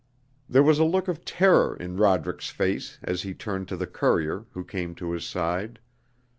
There was a look of terror in Roderick's face as he turned to the courier, who came to his side.